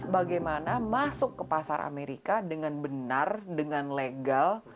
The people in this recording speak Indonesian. bagaimana masuk ke pasar amerika dengan benar dengan legal